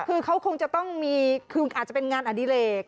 คือเขาคงจะต้องมีคืออาจจะเป็นงานอดิเลก